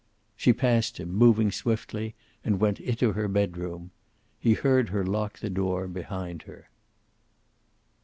She passed him, moving swiftly, and went into her bedroom. He heard her lock the door behind her.